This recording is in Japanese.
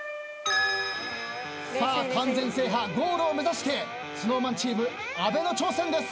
さあ完全制覇ゴールを目指してＳｎｏｗＭａｎチーム阿部の挑戦です。